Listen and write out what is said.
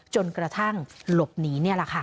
จนกระทั่งหลบหนีนี่แหละค่ะ